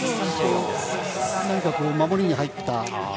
何か守りに入った。